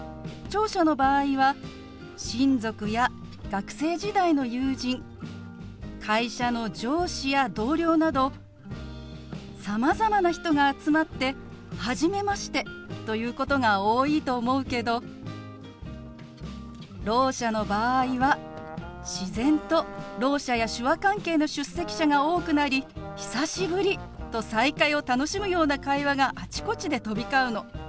聴者の場合は親族や学生時代の友人会社の上司や同僚などさまざまな人が集まって「初めまして」と言うことが多いと思うけどろう者の場合は自然とろう者や手話関係の出席者が多くなり「久しぶり！」と再会を楽しむような会話があちこちで飛び交うの。